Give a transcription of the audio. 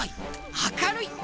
あかるい。